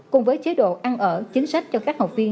cùng với chế độ ăn ở chính sách cho các học viên